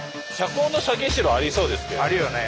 あるよね。